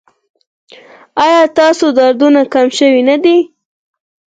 ایا ستاسو دردونه کم شوي نه دي؟